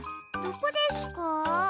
どこですか？